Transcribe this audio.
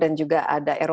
dan juga ada amerika